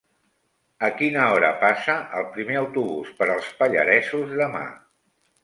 A quina hora passa el primer autobús per els Pallaresos demà?